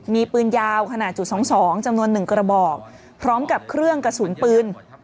มีปืนยาวขนาดจุด๒๒จำนวน๑กระบอกพร้อมกับเครื่องกระสุนปืน